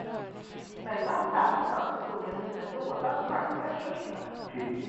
Mellan sätena stod en liten låda blanka körsbär.